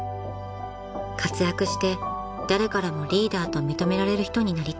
［活躍して誰からもリーダーと認められる人になりたい］